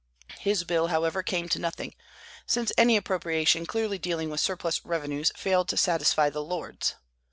His bill, however, came to nothing, since any appropriation clearly dealing with surplus revenues failed to satisfy the Lords.